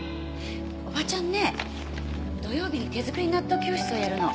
おばちゃんね土曜日に手作り納豆教室をやるの。